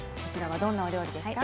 どんなお料理ですか？